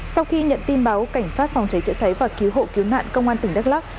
sau khi nhận tin báo cảnh sát phòng cháy chữa cháy và cứu hộ cứu nạn công an tỉnh đắk lắc